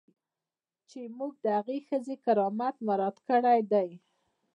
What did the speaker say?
چې موږ د هغې ښځې کرامت مراعات کړی دی.